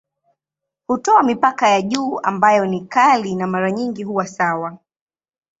Hutoa mipaka ya juu ambayo ni kali na mara nyingi huwa sawa.